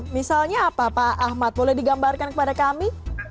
misalnya apa pak ahmad boleh digambarkan kepada kami